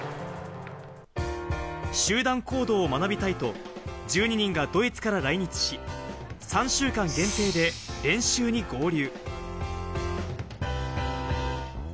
集団行動を学びたいと１２人がドイツから来日し、３週間限定で練習に合流。